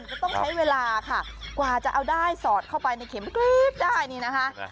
ก็ต้องใช้เวลาค่ะกว่าจะเอาได้สอดเข้าไปในเข็มกรี๊ดได้นี่นะคะ